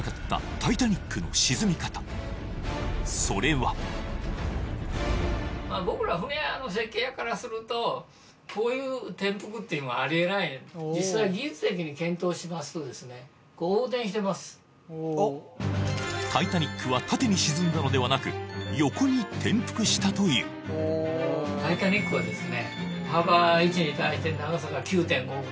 それは僕らタイタニックは縦に沈んだのではなくというタイタニックはですね